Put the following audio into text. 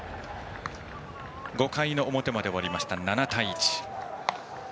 ５回の表まで終わって７対１。